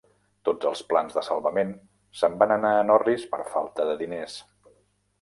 Tots els plans de salvament se'n van anar en orris per falta de diners.